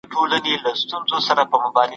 د ساینسي مضامینو لپاره ځانګړي لابراتوارونه نه وو.